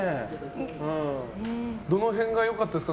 どの辺が良かったですか？